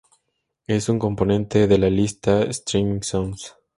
Es un componente de la lista Streaming Songs.